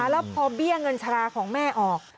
แล้วพอเบี้ยเงินชราของแม่ออก